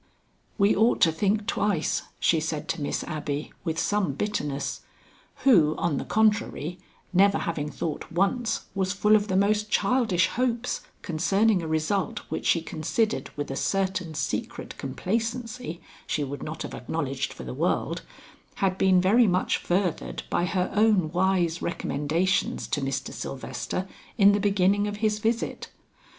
"We ought to think twice," she said to Miss Abby with some bitterness, who on the contrary never having thought once was full of the most childish hopes concerning a result which she considered with a certain secret complacency she would not have acknowledged for the world, had been very much furthered by her own wise recommendations to Mr. Sylvester in the beginning of his visit.